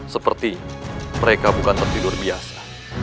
seperti mereka bukan tertidur biasa